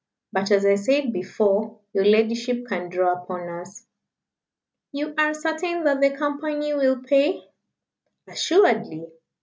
But, as I said before, your ladyship can draw upon us." "You are certain that the Company will pay?" "Assuredly.